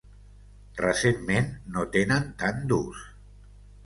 Recentment no tenen tant d'ús.